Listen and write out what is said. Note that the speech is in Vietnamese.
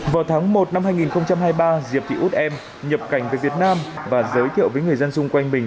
vào tháng một năm hai nghìn hai mươi ba diệp thị út em nhập cảnh về việt nam và giới thiệu với người dân xung quanh mình